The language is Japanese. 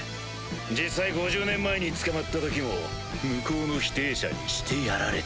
実際５０年前に捕まったときも向こうの否定者にしてやられた。